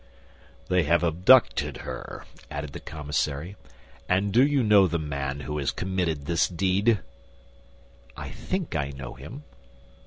"They have abducted her," added the commissary; "and do you know the man who has committed this deed?" "I think I know him."